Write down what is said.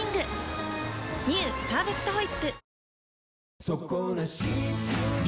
「パーフェクトホイップ」